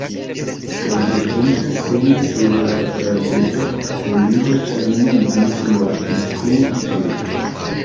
Kaj ĵetinte sin sur la branĉeto, hundido ŝajnigis mortskui ĝin.